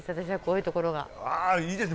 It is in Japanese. いいですね